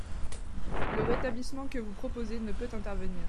Le rétablissement que vous proposez ne peut intervenir.